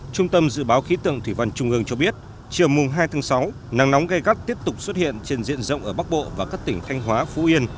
trung tâm dự báo khí tượng thủy văn trung ương cho biết chiều mùng hai tháng sáu nắng nóng gai gắt tiếp tục xuất hiện trên diện rộng ở bắc bộ và các tỉnh thanh hóa phú yên